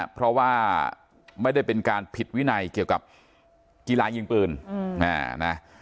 เพราะว่าไม่ได้เป็นการผิดวินัยเกี่ยวกับกีฬายิงปืน